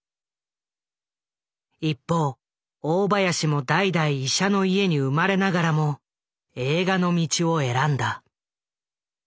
一方大林も代々医者の家に生まれながらも映画の道を選んだ。